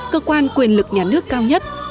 cơ quan quyền lực nhà nước cao nhất